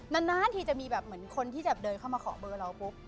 นานทีจะมีแบบเหมือนคนที่จะเดินเข้ามาขอเบอร์เราปุ๊บ